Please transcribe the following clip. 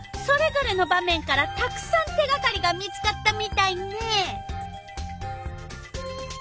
それぞれの場面からたくさん手がかりが見つかったみたいねえ！